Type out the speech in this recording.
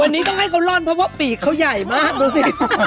วันนี้ต้องให้เขาร่อนเพราะว่าปีกเขาใหญ่มากดูสิ